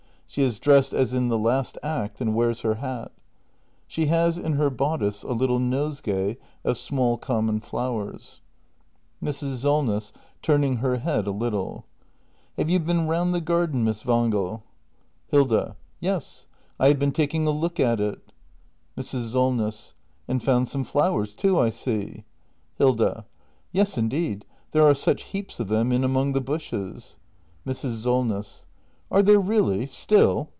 She is dressed as in the last act, and wears her hat. She has in her bodice a little nosegay of small common flowers. Mrs. Solness. [Turning her head a little.] Have you been round the garden, Miss Wangel ? 387 388 THE MASTER BUILDER [act hi Hilda. Yes, I have been taking a look at it. Mrs. Solness. And found some flowers too, I see. Hilda. Yes, indeed! There are such heaps of them in among the bushes. Mrs. Solness. Are there really ? Still